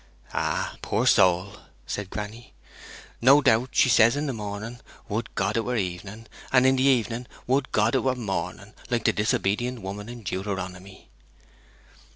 'Ah, poor soul!' said granny. 'No doubt she says in the morning, "Would God it were evening," and in the evening, "Would God it were morning," like the disobedient woman in Deuteronomy.'